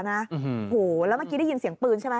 โอ้โหแล้วเมื่อกี้ได้ยินเสียงปืนใช่ไหม